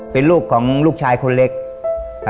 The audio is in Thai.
เป็นลูกของลูกชายคนเล็ก